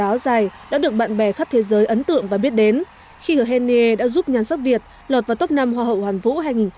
các báo dài đã được bạn bè khắp thế giới ấn tượng và biết đến khi ở henne đã giúp nhan sắc việt lọt vào top năm hoa hậu hoàn vũ hai nghìn một mươi tám